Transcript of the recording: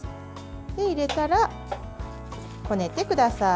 入れたら、こねてください。